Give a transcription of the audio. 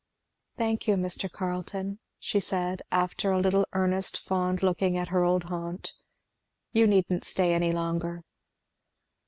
"Thank you, Mr. Carleton," she said after a little earnest fond looking at her old haunt; "you needn't stay any longer."